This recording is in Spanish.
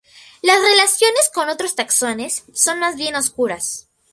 Las relaciones con otros taxones son más bien oscuras.